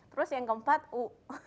terus yang keempat u